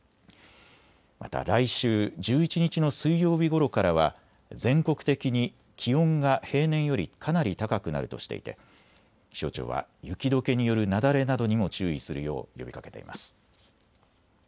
また、来週１１日の水曜日ごろからは全国的に気温が平年よりかなり高くなるとしていて気象庁は雪どけによる雪崩などにも注意するよう呼びかけています。